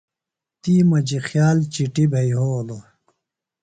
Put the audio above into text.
تی مجی خیال چِٹی بھے یھولو۔